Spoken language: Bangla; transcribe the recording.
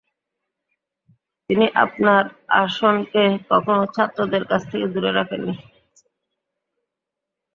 তিনি আপনার আসনকে কখনো ছাত্রদের কাছ থেকে দূরে রাখেন নি।